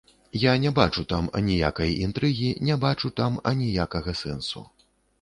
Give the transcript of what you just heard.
Я не бачу там аніякай інтрыгі, не бачу там аніякага сэнсу.